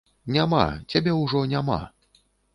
Няма, цябе ўжо няма!